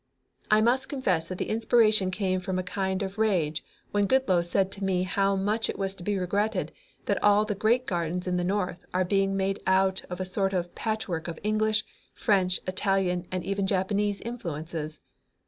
"I must confess that the inspiration came from a kind of rage when Goodloe said to me how much it was to be regretted that all the great gardens in the North are being made out of a sort of patchwork of English, French, Italian and even Japanese influences.